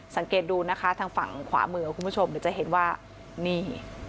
สังเกตดูนะคะทางฝั่งขวามือคุณผู้ชมเดี๋ยวจะเห็นว่านี่